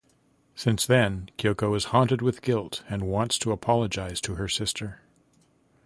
Since then, Kyoko is haunted with guilt and wants to apologize to her sister.